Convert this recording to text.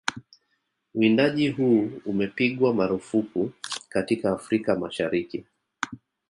Uwindaji huu umepigwa marufuku katika Afrika Mashariki